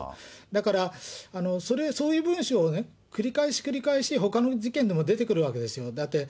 だから、それ、そういう文章をね、繰り返し繰り返し、ほかの事件でも出てくるわけですよ。